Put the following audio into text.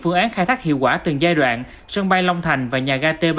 phương án khai thác hiệu quả từng giai đoạn sân bay long thành và nhà ga t ba